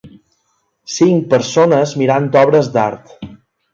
Cinc persones mirant obres d'art.